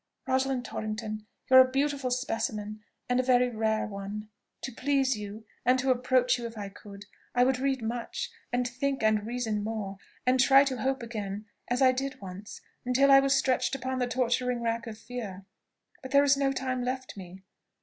Rosalind Torrington! you are a beautiful specimen, and a very rare one. To please you, and to approach you if I could, I would read much, and think and reason more, and try to hope again, as I did once, until I was stretched upon the torturing rack of fear: but there is no time left me!"